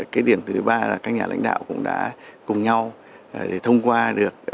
cái điểm thứ ba là các nhà lãnh đạo cũng đã cùng nhau để thông qua được